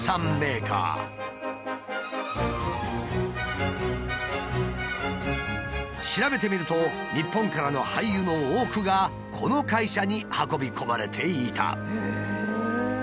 今や調べてみると日本からの廃油の多くがこの会社に運び込まれていた。